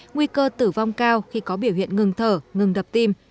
nguy cơ tử vong cao khi có biểu hiện ngừng thở ngừng đập tim